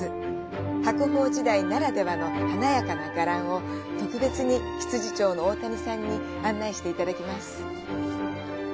白鳳時代ならではの華やかな伽藍を特別に執事長の大谷さんに案内していただきます。